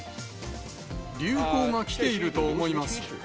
流行がきていると思います。